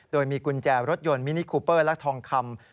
โดยมีกุญแจรถยนต์มินิคูเปอร์และทองคำ